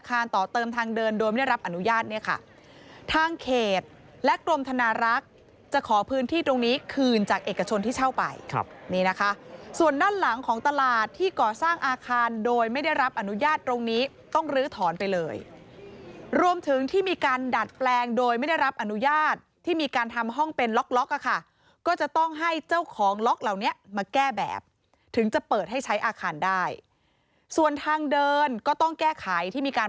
การแจ้งคดีกับผู้ที่ข้อหานี้เป็นการแจ้งคดีกับผู้ที่ข้อหานี้เป็นการแจ้งคดีกับผู้ที่ข้อหานี้เป็นการแจ้งคดีกับผู้ที่ข้อหานี้เป็นการแจ้งคดีกับผู้ที่ข้อหานี้เป็นการแจ้งคดีกับผู้ที่ข้อหานี้เป็นการแจ้งคดีกับผู้ที่ข้อหานี้เป็นการแจ้งคดีกับผู้ที่ข้อหานี้เป็นการแจ้งคดีกับผู้ที่ข้อหาน